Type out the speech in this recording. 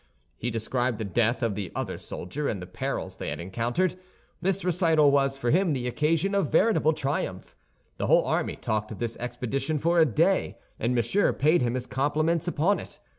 He described the death of the other soldier, and the perils they had encountered. This recital was for him the occasion of veritable triumph. The whole army talked of this expedition for a day, and Monsieur paid him his compliments upon it.